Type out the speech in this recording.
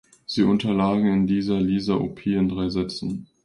Sie unterlag in dieser Lisa Opie in drei Sätzen.